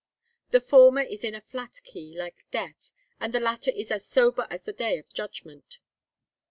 'The former is in a flat key, like death, and the latter is as sober as the day of judgment.'